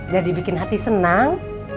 dan dibikin hati senang